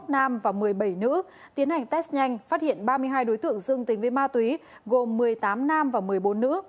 một nam và một mươi bảy nữ tiến hành test nhanh phát hiện ba mươi hai đối tượng dương tính với ma túy gồm một mươi tám nam và một mươi bốn nữ